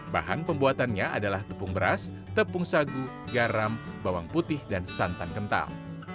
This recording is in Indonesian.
bahan pembuatannya adalah tepung beras tepung sagu garam bawang putih dan santan kental